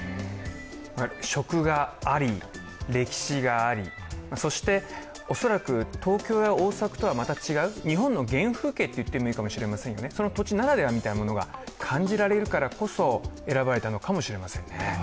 食があり、歴史があり、そして恐らく東京や大阪とはまた違う、日本の原風景といってもいいかもしれませんよね、その土地ならではのものが感じられるからこそ選ばれたのかもしれませんね。